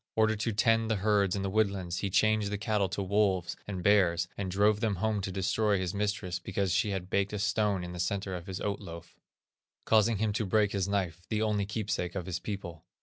Ordered to tend the herds in the woodlands, he changed the cattle to wolves and bears, and drove them home to destroy his mistress because she had baked a stone in the centre of his oat loaf, causing him to break his knife, the only keepsake of his people.